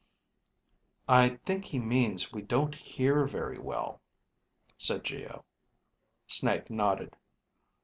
"I think he means we don't hear very well," said Geo. Snake nodded.